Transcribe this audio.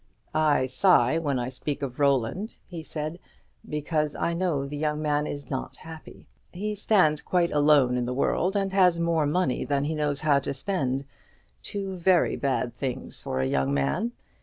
"I sigh when I speak of Roland," he said, "because I know the young man is not happy. He stands quite alone in the world, and has more money than he knows how to spend; two very bad things for a young man.